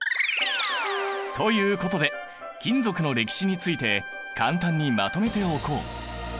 ということで金属の歴史について簡単にまとめておこう。